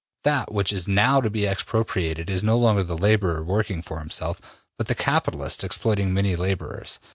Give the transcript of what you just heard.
That which is now to be expropriated is no longer the laborer working for himself, but the capitalist exploiting many laborers.